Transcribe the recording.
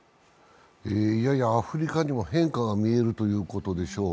ややアフリカにも変化が見られるということでしょう。